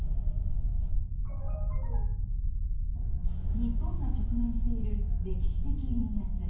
［日本が直面している歴史的］